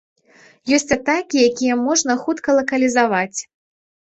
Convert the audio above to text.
Ёсць атакі, якія можна хутка лакалізаваць.